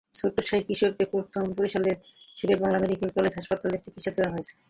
ছোট্ট সেই কিশোরকে প্রথমে বরিশালের শেরেবাংলা মেডিকেল কলেজ হাসপাতালে চিকিৎসা দেওয়া হয়।